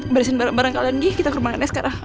barisin barang barang kalian di rumahnya sekarang